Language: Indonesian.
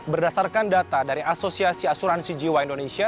berdasarkan data dari asosiasi asuransi jiwa indonesia